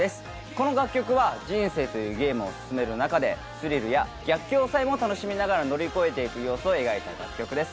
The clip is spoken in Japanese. この楽曲は人生というゲームを進める中でスリルや逆境さえも楽しみながら乗り越えていく様子を描いた楽曲です